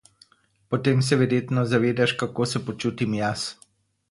Potem se verjetno zavedaš kako se počutim jaz.